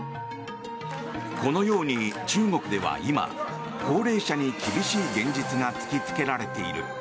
このように中国では今、高齢者に厳しい現実が突きつけられている。